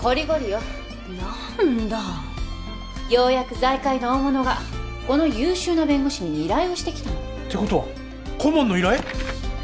ようやく財界の大物がこの優秀な弁護士に依頼をしてきたの。ってことは顧問の依頼！？